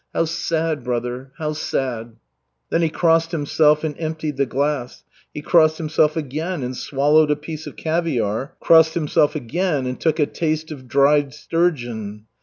How sad, brother, how sad!" Then he crossed himself, and emptied the glass. He crossed himself again and swallowed a piece of caviar, crossed himself again and took a taste of dried sturgeon.